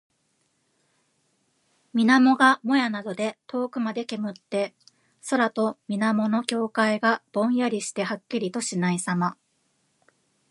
水面がもやなどで遠くまで煙って、空と水面の境界がぼんやりしてはっきりとしないさま。